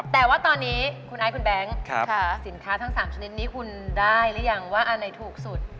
แต่ว่าตอนนี้คุณไอซ์คุณแบงค์สินค้าทั้ง๓ชนิดนี้คุณได้หรือยังว่าอันไหนถูกสุด